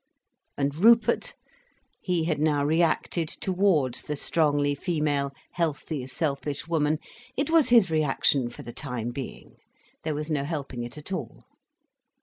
And Rupert—he had now reacted towards the strongly female, healthy, selfish woman—it was his reaction for the time being—there was no helping it all.